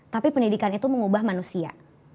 tapi pendidikan itu mengubah manusia